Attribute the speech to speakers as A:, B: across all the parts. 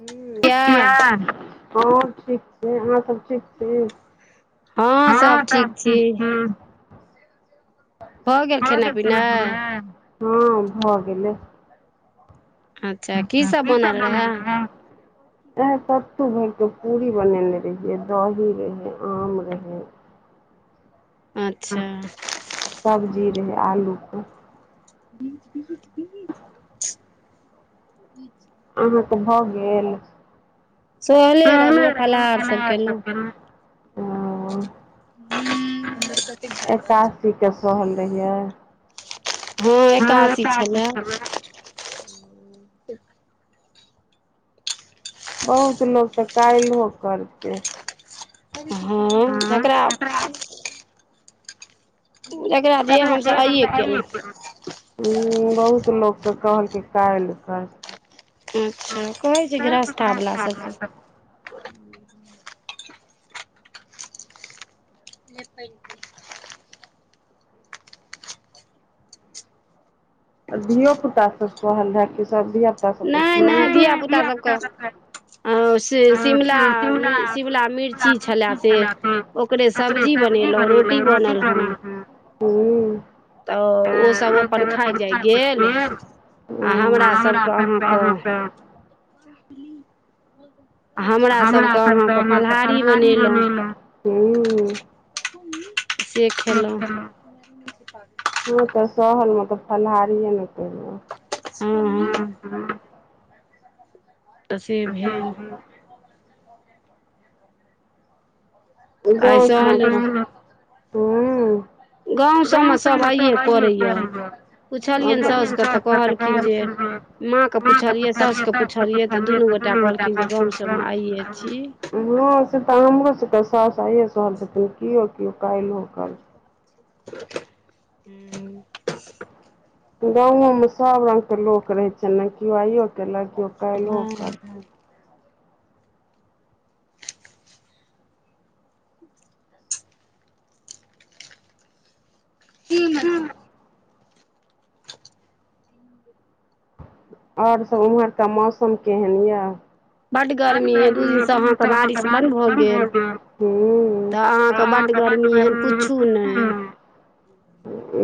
A: हुँ ठीक छिए हाँ हम ठीक छिए अहाँ सब ठीक छी हँ सब ठीक छी भऽ गेल खेनाए पीनाए हँ भऽ गेलै
B: अच्छा के
A: की सब बनल रहै इहे सत्तू भरि के पूरी बनेने रहियै दही रहै आम रहै
B: अच्छा
A: सब्जी रहै आलू के
B: [unintelligible] [unintelligible]
A: अहाँ के भऽ गेल
B: सहले रहुं फलहार सब केलहुँ
A: एकादशी के सहल रहियै हँ एकादशी छेलै बहुत लोक तऽ काल्हिलो करतै
B: हँ जेकरा
A: जकरा बेर परतै से आइए केलकै उम्म बहुत लोक के कहलकै काल्हि करतै
B: अच्छा कहै छै गृहस्था बाला सब के ले पाइन पी
A: और धियो पुता सब सहल रहै की सब धिया पुता सब
B: नहि नहि धिया पुता सब कऽ आ से शिमला मिर्च शिमला मिर्ची छलै से ओकरे सब
A: सब्जी बनैलौं रोटी बनेलौं आ ओ सब अपन खा कऽ गेल आ हमरा सभ के अहाँ कऽ
B: [unintelligible] आ हमरा सभके अहाँके फलाहारी बनेलहुँ से खेलहुँ
A: से तऽ सहलमे तऽ फलाहारिए ने केला
B: ह ह [unintelligible] तऽ से भेल
A: हू [unintelligible] गाम सममे त आइ तरार [unintelligible] त [unintelligible] त प द प तू ब [unintelligible] हँ से त हमरो सब त साासे सहल छथिन केओ केओ काल्हि क [unintelligible]
B: ह [unintelligible]
A: गाँवोमे सभ रंगके लोक रहैत छै ने के आइयओ केलक केओ
B: हँ [unintelligible] ही म [unintelligible] [inaudible]
A: आओर सब उम्हरक मौसम केहन यै
B: बड गर्मी य दू दिन से अहाँके बारिश बंद भऽ गेल तऽ अहाँके बड गरमी एहन पुछू नहि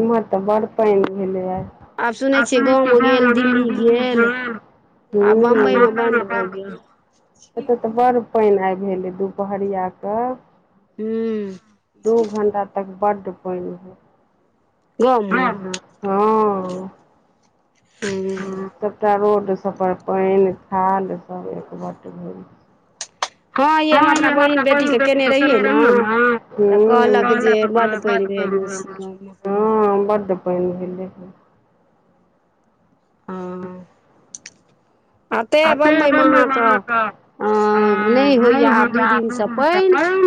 A: म [unintelligible] तऽ बड पा‌इन भेलै आइ [unintelligible] ह [unintelligible] एतय तऽ बड पाइन आइ भेलै दुपहरिया क ह दू घंटा तक बड् पाइन ओ [unintelligible] सबटा रोड सब पर पाइन खाद सब एक बट भेल हँ ई हम अपना बहिन बेटी के देने रहै न त कहलक हँ बड पाइन भेलै
B: आ
A: अते म क [unintelligible] आ नहि होइए अपने दिन तऽ पानि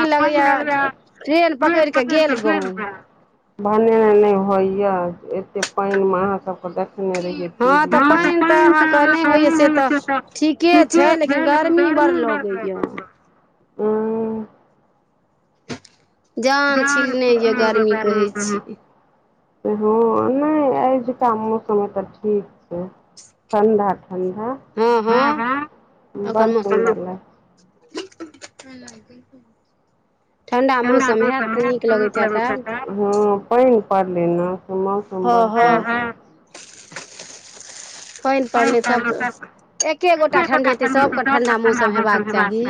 A: आ पानि लगैए [unintelligible] भनेने नहि होइए पानि मे अहाँ सबके देखने रहियै [unintelligible]
B: होइया से तऽ ठीके छै लेकिन गर्मी बड़ लगैया
A: हँ जार [unintelligible] हँ नहि अहिजुका मौसम ए तऽ ठीक छै ठण्डा ठण्डा
B: हाँ हाँ एखन मौ ह लै [unintelligible] ठण्डा मौसम होयैत तऽ नीक लगैत हयत आब
A: हँ पानि पड़लै ने मौसम बर हँ हँ
B: पानि पड़लै तबत
A: ठ तख त तखर सबझ बात [unintelligible]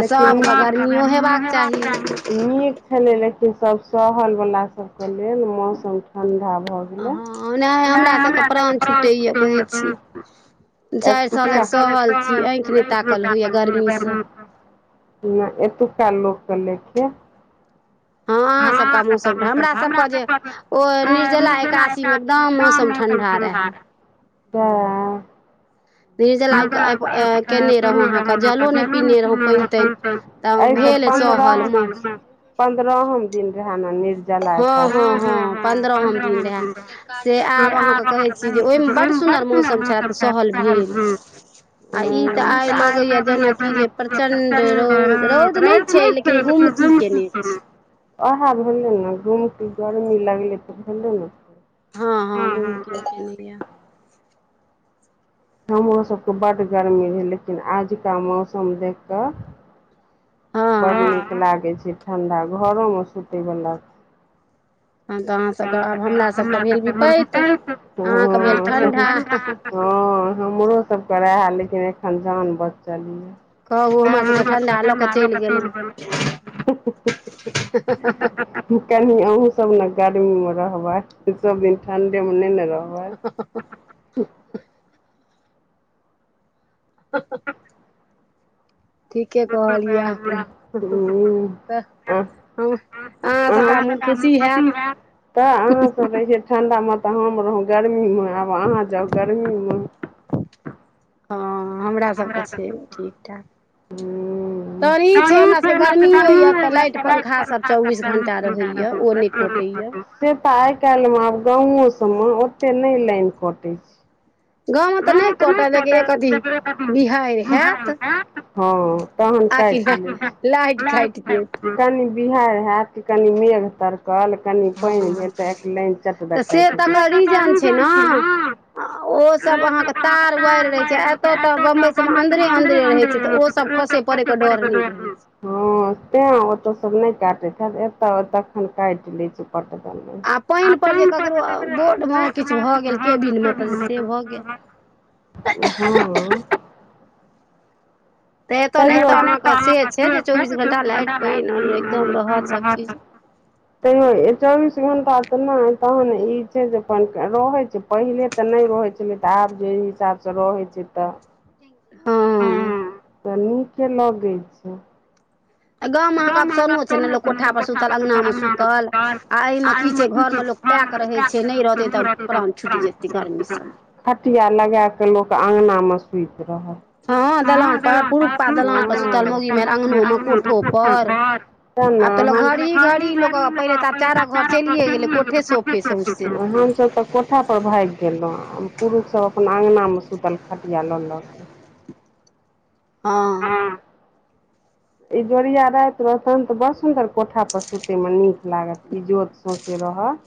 A: घर ह ब [unintelligible] नीक छले लेकिन सब सहल वाला सब के लेल मौसम ठंडा भऽ गेल हमराे [unintelligible] त अपन घर [unintelligible] नहि एतुका लोकके लेेखिय आंहा के तहन त हमरा सबके त ओ निर्जला एकादशी तांय मौसम ठंडा छैय [unintelligible] एहिसँ पन्द्रह पन्द्रहम दिन रहे ने निर्
B: हँ हँ हँ पंन्द्रहम दिन रह‌ए से आब अहाँके कहै से जे ओहिमे बड सुन्दर मौसम छै सहल भेल आ इ त आइ लगेया जेनाकि जे प्रचंड रौद रौद नहि छै लेकिन
A: [unintelligible] अहा भेलो ने गुमकी गर्मी लगले तऽ भेलै ने
B: हँ हँ गुमकी केने या
A: हमरोसभके बड्ड गर्मी रहै लेकिन आजुका मौसम देखि कऽ बड़ नीक लागै छै ठण्ढा घरोमे सुतयवला तहन त हमरा सबके लगतै हँ हमरो सबके रहए लेकिन एखन जान बचल यऽ [unintelligible] ह [unintelligible] कनी अहूँ सब ने गर्मी में रहबै सब दिन ठंडे में नै न रहबै
B: [unintelligible] [unintelligible]
A: [unintelligible] [unintelligible] ठण्डामे तऽ हम रहौ गरमीमे आब अहाँ जाउ गरमीमे
B: हँ हमरा सबके छै ठीक ठाक तहन ई छै हमरा सबके गर्मियो यए तऽ लाइट पंखा सब चौबीस घंटा रहैया ओ नहि कटै या
A: से तऽ आय काल्हि मे आब गांवों सब मे ओते नहि लाइन नहि कटै छै [unintelligible] तहन त कनि बिहाइड़ हयैत कनि मेघ तड़कल कनि पानि भेल ताबे लाइन चट द काइट हँ
B: ओ सब अहाँके तार वायर रहय छै एतय तऽ बंबई सब मे अन्दरे अन्दरे रहय छै तऽ ओ सब खसे परे के डर नहि रहै
A: हँ तें ओतौ सब नहि काटे छथि एत तखन काटि लै छै आ पानि परबै तकरो
B: [unintelligible]
A: हू
B: तऽ एतय नहि तऽ अहाँके से छै जे चौबीस घंटा लाइट पानि एकदम रहत सब चीज
A: तइयो चौबीस घण्टा तऽ नहि तहन ई छै जे अपन रहै छै पहिले तऽ नहि रहै छलै तऽ आब जे हिसाबसँ रहै छै तऽ हूं तऽ नीके लगै छै
B: गाँव मे अहाँके अपशनो छै ने लोक कोठा पर सुतल अंगना में सुतल आ एहि मे की छै घर मे लोक पैक रहे छै नहि रहते तऽ प्राण छुटि जेते गर्मी स
A: खटिया लगा क लोक अङंगना मे सुति रहल
B: हँ दलान पर पुरुखपात दलान पर सुतल मौगी मेहर अंगनो मे कोठो प पर आब तऽ ल घड़ही घड़ही लोकक पहिले तऽ आब चारक घर चलिये गेलैय कोठेस के [unintelligible]
A: हमसभ तऽ कोठा पर भागि गेलहुँ पुरुषसभ अपन अङगना मे सुतल खटिया ल ल क
B: हँ
A: जोरिया राति में तहन तऽ बड़ सुन्दर कोठापर सुतैमे नीक लागत ईजोत हम से रहत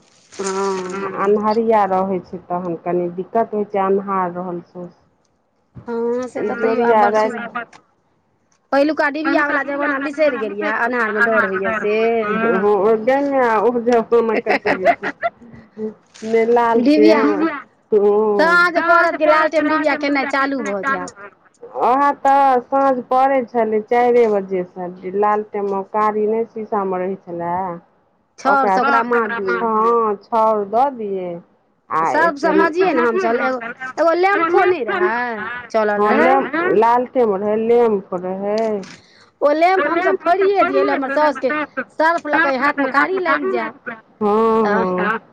A: अन्हरिया रिया रहै छै तहन कनी दिक्कत होइत छै अन्हार रहल सौस इजोरिया राति [unintelligible] अन्हार म डर होइय से ह उदेने उजोतो में कत्तौ जे छै ह नहि लालटेन डिबिया हं सांझ परत त लालटेन डिबिया किछु नहि चालु धरि होई वहाँ तऽ साँझ पड़े छलै चारे बजे जे स जे लालटेम म कारी नहि शीशा मे रहै छलै ओकरा छर स ओकरा मांजै हँ छर दऽ दियै आ एते छर स मांजियै न हम सब एगो नेट स नै होइ छै ह लम लालटेम रहै लेम्प रहै
B: [inaudible] ओ लैंप हमसब फोड़िये दियै अइ ला हमर साउस के सर्फ लग हाथ मे कारी लागि जाय तऽ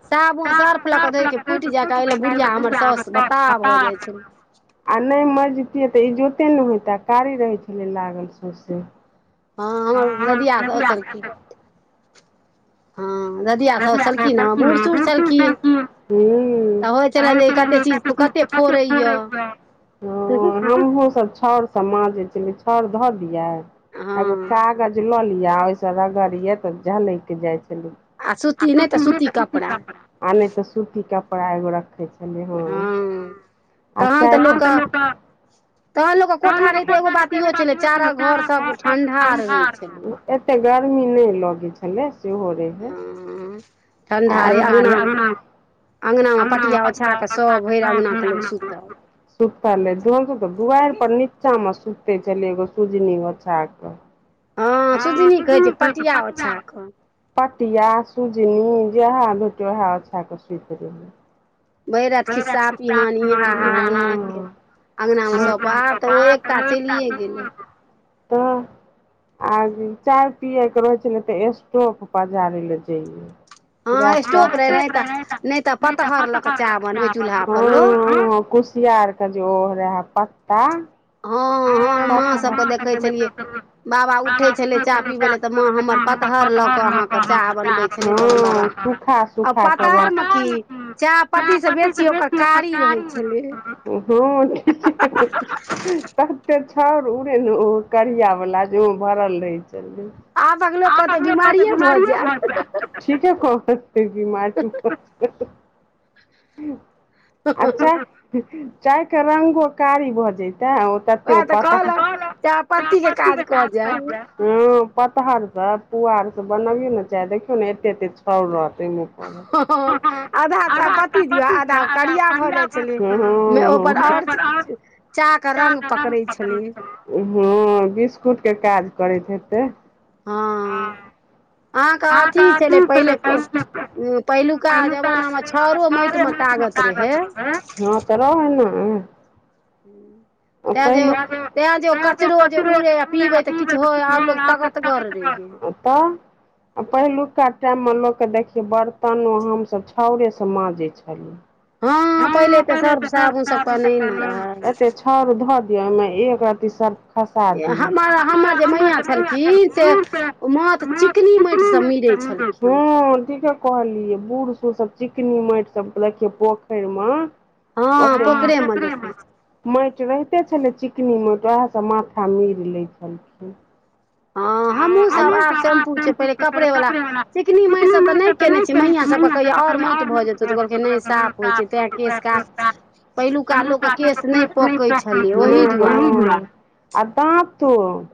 B: साबुन सर्फ लऽ कऽ धोयके फुटि जायक एहि ले बुढ़िया हमर सौस बताह भ जाइ छै
A: आ नहि मैजतियै तऽ इजोते ने होइता कारी रहैत छलै लागल सौंसे
B: हँ हमर सबके ददिया साउस छलखिन हँ ददिया साउस छलखिन हँ बूढ़ सूढ़ छलखिन तऽ होइत छलनि जे ई कत्ते चीज कत्ते फोड़ैया
A: हमहुँ सब छरसँ माँजैत छलियै छर धऽ दियै आ एगो कागज लऽ लिअ ओहिस रगड़ियै तऽ झलक जाइ छलय
B: सुती नहि तऽ सुती कपड़ा
A: आ नहि तऽ सूती कपड़ा एगो रखै छलियै ह आ चारि टा तहन त लोगक तहन लोग के पोछा रहते एगो बात नै छै ने चारा घर सब ठंडा रहै छै एतेक गरमी नहि लगै छलै सेहो रहै
B: ह ठण्ढा रहै अंगनामे अंगनामे पटिया ओछा कऽ सभ भरि अंगनाके लोक सुतल
A: सुतले दुगो त दुआरि पर नीचा म सुते छले एगो सुजनी ओछा क
B: हँ सुजनी कहै छै पटिया ओछा कऽ
A: पटिया सुजनी जेहै भेटै वेहै ओछा क सुति रहियै
B: भैरि राति खिस्सा पिहानी हाहा ही ही करिते अंगना मे सब आब तऽ ओ एकता चलिए गेलै
A: तऽ आ चाय पियए के रहे छलै त स्टोव पजारै ले जइये गैस त आसे पर रहै त नहि त पतहर ल क हं हं कुसियार क जे ओ रहै पत्ता
B: हँ हमर माँ सबके देखै छलियै बाबा उठै छलै चाह पीबै लए तऽ माँ हमर पतहर लऽ कऽ अहाँके चाह बनबै छलै तहन बाबाक आ पतहर मे की चाह पत्ती स बेसी ओकर कारी रहै छलै
A: हँ ठीके ह ह ह ह ह तत्ते छर उड़े न ओ करिया वला जे ओ भरल रहै छलै आबक लोग क त बिमारिये भ जैत ठीके कहैत ई बिमारी भ जैत आ चाय चायके रंगो कारी भऽ जैते तत्ते ओ पत तैं त कहलौं त पत्ती के साफ कऽ जैत ह पतहर स पुआर स बनाइयौ न चाय देखियौ ने एते एते सब रहतै ओहिम परल ह ह आधा पत्ती ज या आधा करिया भ गेल ओकर बाद हं हं में ओकर
B: रंग पकड़ै छली
A: हँ बिस्कुटके काज करैत हेतै
B: अहाँके अथी छलै पहिले उ पहिलुका जमानामे छरो माटि मे ताकत रहे
A: हँ तऽ रह है ने
B: हू तैं जो तैं जो कचरो जे उड़े आ पीबै तऽ किछु होय आओर लोग ताकत गर रहै
A: तऽ आ पहिलुका टाइममे लोककेँ देखियौ बर्तनो हमसभ छाउरेसँ माँजै छलियै हँ पले तऽ दर चबी टकत छौउर धऽ दियै ओहिमे एक रति सर्फ खसा दियै कितने ल रह कहलियै बूढ़ सूढ़ सब चिकनी माटि सब देखियै पोखरि मे ओते माटि रहिते छलै चिकनी माटि वेह सब माथा मिर लै छलखिन
B: हँ हमहुँ सब आब शेंपू पहिरे कपड़े वाला चिकनी माटि सब तऽ नहि केने छियै मैया सबके कहियै आओर माटि भऽ जेतौ त कहलकै नहि साफ होइ छै तें केश क पहिलुका लोक केश नहि पकै छलै ओहि दुआरे
A: आ दाँतो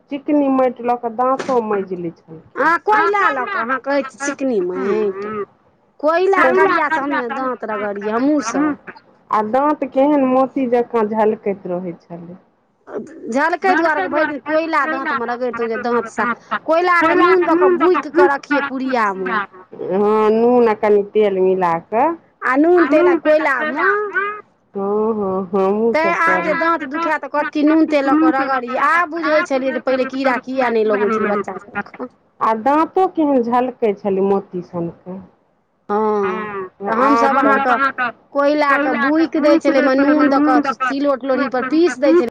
A: चिकनी माटि ल क दाँतो माजि लै छलै
B: अहाँ कोयला लऽ कऽ अहाँ कहैत छी चिकनी माटि कोयला करिया से हमे दाँत रगड़िय हमहुँ सब
A: आ दाँत केहन मोती जकाँ झलकैत रहै छलै
B: झलकै दुआरे भरि दिन कोयला दाँत में रगड़ितों जे दाँत सा कोयला के नून दक के बुकि के रखियै पुड़िया मे
A: हँ नून आ कनि तेल मिला कऽ
B: आ नून तेल कोयला म
A: हाँ हाँ हम सब [unintelligible] आ दाँतो केहन झलकै छलै मोती सनके
B: हँ तऽ हमसभ अहाँके कोयला के बुकि दैय छलो अय म नून द के सिलोट लोढ़ी पर पीस दैय छलै